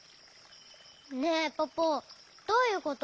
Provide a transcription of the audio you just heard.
ねえポポどういうこと？